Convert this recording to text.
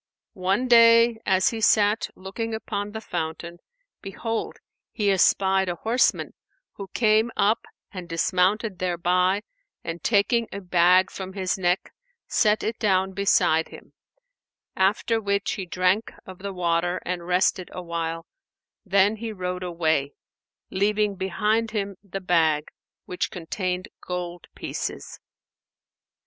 One day, as he sat looking upon the fountain, behold, he espied a horseman who came up and dismounted thereby and taking a bag from his neck, set it down beside him, after which he drank of the water and rested awhile, then he rode away, leaving behind him the bag which contained gold pieces.